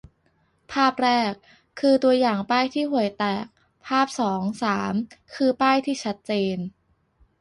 ภาพแรก คือตัวอย่างป้ายที่ห่วยแตก ภาพสอง-สาม คือป้ายที่ชัดเจน